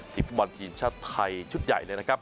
ฟุตบอลทีมชาติไทยชุดใหญ่เลยนะครับ